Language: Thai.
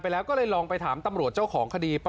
ยังไม่เห็นยังไงคือว่าก็เขายิงกันเลย